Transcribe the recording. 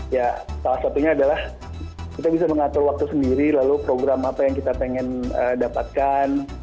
ya salah satunya adalah kita bisa mengatur waktu sendiri lalu program apa yang kita pengen dapatkan